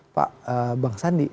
pak bang sandi